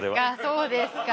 そうですか。